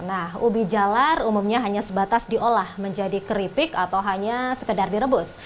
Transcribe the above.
nah ubi jalar umumnya hanya sebatas diolah menjadi keripik atau hanya sekedar direbus